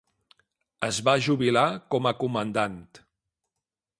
Es va jubilar com a Comandant.